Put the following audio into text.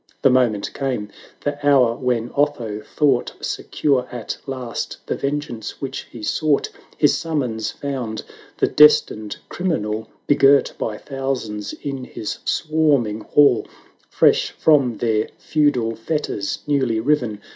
The moment came, the hour when Otho thought Secure at last the vengeance which he sought : His summons found the destined criminal Begirt by thousands in bis swarming hall; 860 Fresh from their feudal fetters newly riven.